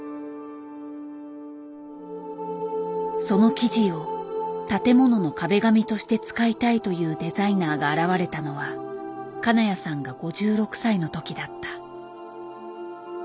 その生地を建物の壁紙として使いたいというデザイナーが現れたのは金谷さんが５６歳の時だった。